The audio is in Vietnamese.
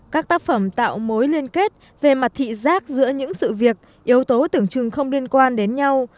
các tác phẩm tạo mối liên kết về mặt thị giác giữa những sự việc yếu tố tưởng chừng không liên quan đến nhau